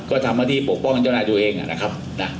ก็ทำมาที่ปกป้องเจ้านายตัวเองนะครับ